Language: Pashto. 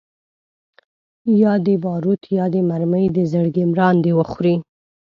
یا دي باروت یا دي مرمۍ د زړګي مراندي وخوري